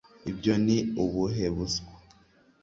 ibyo ni ubuhe buswa